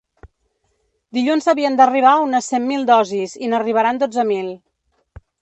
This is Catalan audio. Dilluns havien d’arribar unes cent mil dosis i n’arribaran dotze mil.